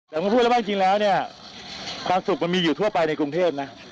แต่ผมพูดแล้วว่าจริงแล้วเนี่ยความสุขมันมีอยู่ทั่วไปในกรุงเทพนะ